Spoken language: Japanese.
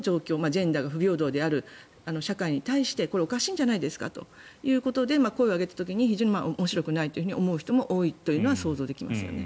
ジェンダーが不平等である社会に対してこれ、おかしいんじゃないんですかということで声を上げた時に非常に面白くないと思う人が多いというのも想像できますよね。